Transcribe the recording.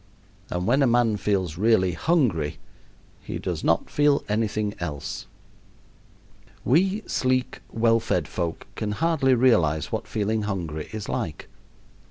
And when a man feels really hungry he does not feel anything else. We sleek, well fed folk can hardly realize what feeling hungry is like.